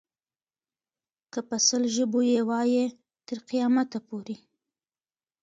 که په سل ژبو یې وایې تر قیامته پورې.